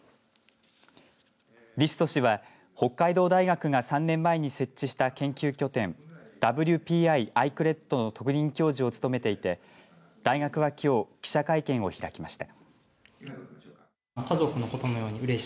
リスト氏は北海道大学が３年前に設置した研究拠点ＷＰＩ‐ＩＣＲｅＤＤの特任教授を務めていて大学はきょう記者会見を開きました。